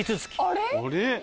あれ？